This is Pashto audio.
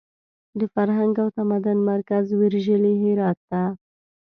د فرهنګ او تمدن مرکز ویرژلي هرات ته!